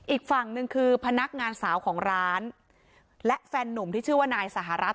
อีกฝั่งหนึ่งคือพนักงานสาวของร้านและแฟนนุ่มที่ชื่อว่านายสหรัฐ